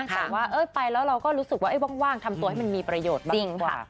แต่ว่าไปแล้วเราก็รู้สึกว่าว่างทำตัวให้มันมีประโยชน์มากกว่า